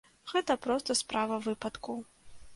Гэта проста справа выпадку.